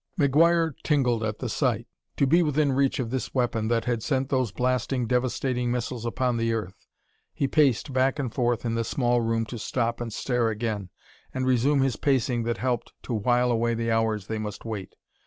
McGuire tingled at the sight. To be within reach of this weapon that had sent those blasting, devastating missiles upon the earth! He paced back and forth in the small room to stop and stare again, and resume his pacing that helped to while away the hours they must wait.